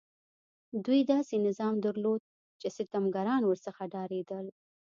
دوی داسې نظام درلود چې ستمګران ورڅخه ډارېدل.